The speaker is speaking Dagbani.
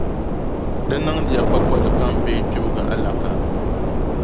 Di niŋdiya pakoli kam bee kpibiga alaka.